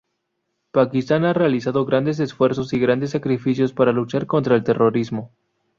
Pakistán ha realizado grandes esfuerzos y grandes sacrificios para luchar contra el terrorismo.